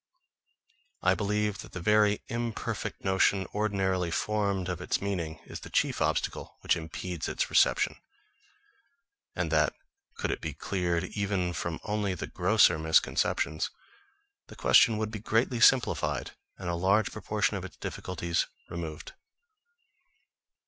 I believe that the very imperfect notion ordinarily formed of its meaning, is the chief obstacle which impedes its reception; and that could it be cleared, even from only the grosser misconceptions, the question would be greatly simplified, and a large proportion of its difficulties removed.